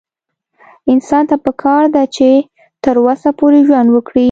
انسان ته پکار ده چې تر وسه پورې ژوند وکړي